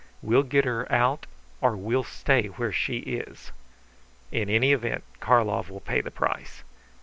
We'll get her out or we'll stay where she is. In any event, Karlov will pay the price.